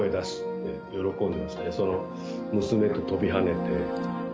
娘と跳びはねて。